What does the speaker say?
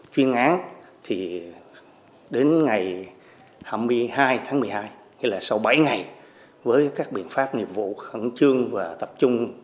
chuyên án thì đến ngày hai mươi hai tháng một mươi hai tức là sau bảy ngày với các biện pháp nghiệp vụ khẩn trương và tập trung